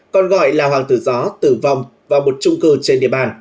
còn gọi là hoàng tử gió tử vong vào một trung cư trên địa bàn